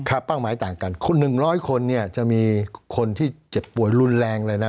เป้าหมายต่างกันคน๑๐๐คนเนี่ยจะมีคนที่เจ็บป่วยรุนแรงเลยนะ